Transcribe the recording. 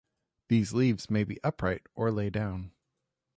These leaves may be upright or lay down.